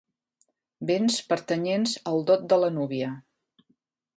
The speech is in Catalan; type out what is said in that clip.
Béns pertanyents al dot de la núvia.